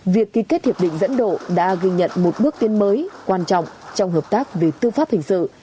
việc ký kết hiệp định dẫn độ đã ghi nhận một bước tiến mới quan trọng trong hợp tác về tư pháp hình sự